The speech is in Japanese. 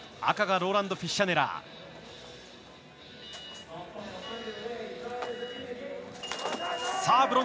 赤がローランド・フィッシャネラー。